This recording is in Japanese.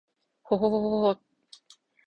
ほほほほほっ h